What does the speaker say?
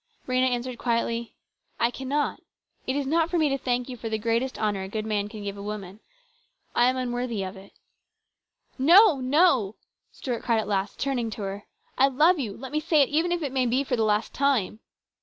Rhena answered quietly :" I cannot. It is not for me to thank you for the greatest honour a good man can give a woman. I am unworthy of it." " No ! no !" Stuart cried at last, turning to her. " I love you. Let me say it even if it may be for the last time."